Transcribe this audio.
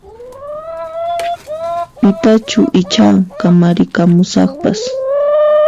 Pitachu icha kamarikamusaqpas?